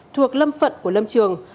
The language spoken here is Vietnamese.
thuộc lâm phận của lâm trường